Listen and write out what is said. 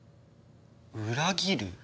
裏切る？